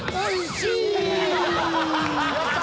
やった！